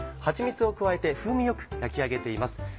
はちみつを加えて風味よく焼き上げています。